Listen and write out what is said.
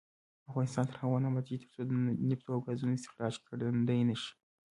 افغانستان تر هغو نه ابادیږي، ترڅو د نفتو او ګازو استخراج ګړندی نشي.